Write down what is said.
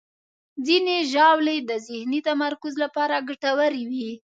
ځینې ژاولې د ذهني تمرکز لپاره ګټورې وي.